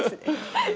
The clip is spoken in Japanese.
はい。